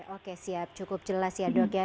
oke siap cukup jelas ya dok ya